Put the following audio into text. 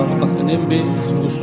pembelian makas nmb